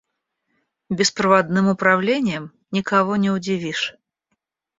Беспроводным управлением никого не удивишь.